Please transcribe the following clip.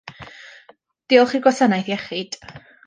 Diolch i'r gwasanaeth iechyd.